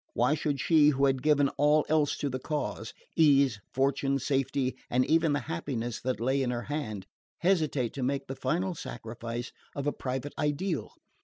Why should she who had given all else to the cause ease, fortune, safety, and even the happiness that lay in her hand hesitate to make the final sacrifice of a private ideal?